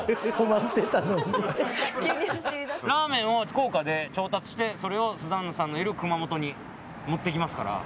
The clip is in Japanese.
ラーメンを福岡で調達してそれをスザンヌさんのいる熊本に持っていきますから。